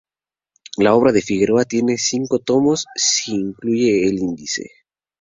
La obra de Figueroa tiene cinco tomos, si se incluye el índice.